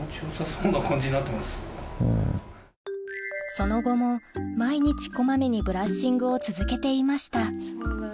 その後も毎日こまめにブラッシングを続けていました